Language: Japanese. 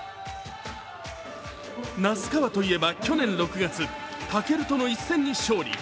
那須川といえば去年６月武尊との一戦に勝利。